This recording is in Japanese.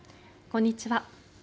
こんにちは。